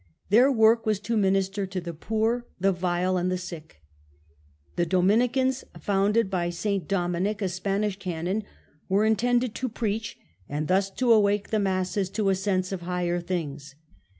Their work was to minister to the poor, the vile, and the sick. The Dominicans, founded by S. Dominic, a Spanish canon, were intended to preach, and thus to awake the masses to a sense of higher things.